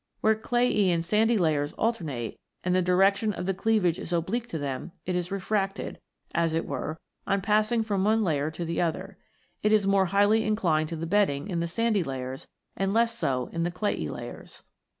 Where clayey and sandy layers alternate, and the direction of the cleavage is oblique to them, it is refracted, as it were, on passing from one layer to the other ; it is more highly inclined to the bedding in the sandy layers and less so in the clayey layers.